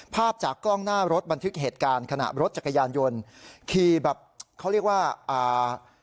ภาพจากกล้องหน้ารถบันทึกเหตุการณ์ขณะรถจักรยานยนต์ขี่แบบเขาเรียกว่าอ่า